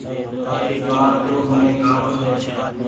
بتي ٻآڙ تو مني ڪآم ڇي۔